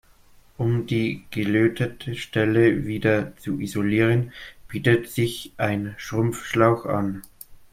Um die gelötete Stelle wieder zu isolieren, bietet sich ein Schrumpfschlauch an.